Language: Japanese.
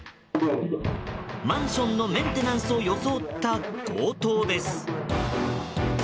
マンションのメンテナンスを装った強盗です。